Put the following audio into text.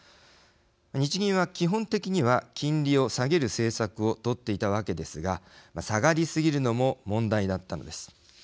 日銀は、基本的には金利を下げる政策を取っていたわけですが下がりすぎるのも問題だったのです。